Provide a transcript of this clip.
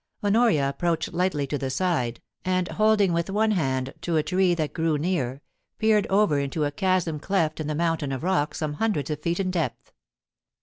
Honoria approached lightly to the side, and holding with one hand to a tree that grew near, peered over into a chasm cleft in the mountain of rock some hundreds of feet in depth.